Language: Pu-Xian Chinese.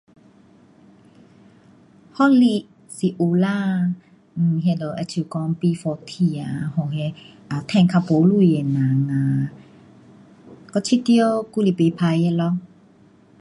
福利是有啦，um 那就好像说 B forty 啊，um 赚不多钱的人啊，我觉得还是不错的咯。